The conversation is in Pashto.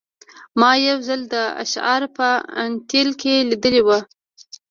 ما یو ځل دا شعار په انټیل کې لیدلی و